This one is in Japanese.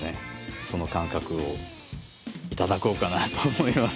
その感覚を頂こうかなと思います。